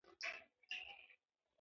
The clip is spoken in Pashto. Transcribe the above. سیاسي بدلون بې ثباتي نه غواړي